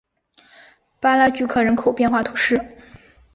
巴拉聚克人口变化图示